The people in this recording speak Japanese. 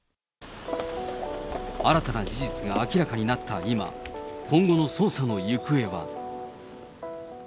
新たな事実が明らかになった今、今後の捜査の行方は。